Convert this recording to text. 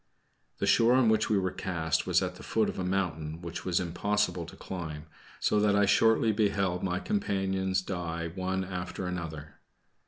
The shore on which we were cast was at the foot of a mountain which it was impossible to climb, so that I shortly beheld my companions die one after another.